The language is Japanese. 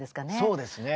そうですね。